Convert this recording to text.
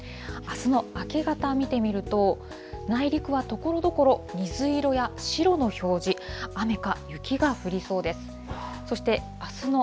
あすの明け方見てみると、内陸はところどころ、水色や白の表示、雨か雪が降りそうです。